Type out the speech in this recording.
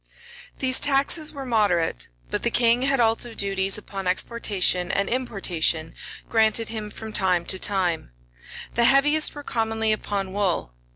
These taxes were moderate; but the king had also duties upon exportation and importation granted him from time to time: the heaviest were commonly upon wool.